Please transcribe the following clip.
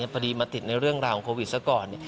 พอดีมาติดในเรื่องราวของโควิดซะก่อน